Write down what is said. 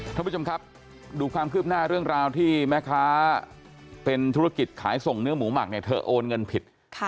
ท่านผู้ชมครับดูความคืบหน้าเรื่องราวที่แม่ค้าเป็นธุรกิจขายส่งเนื้อหมูหมักเนี่ยเธอโอนเงินผิด